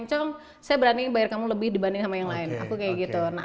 mencong saya berani bayar kamu lebih dibanding sama yang lain aku kayak gitu